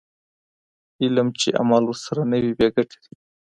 علم چې عمل ورسره نه وي بې ګټې دی.